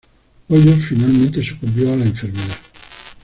Hoyos finalmente sucumbió a la enfermedad.